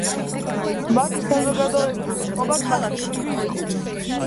მათი საზოგადოებრივი წყობა კლასობრივი იყო.